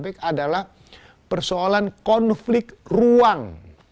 yang adalah persoalan konflik ruang